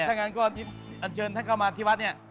ถ้างั้นก็อันเชิญท่านเข้ามาที่วัดเนี่ย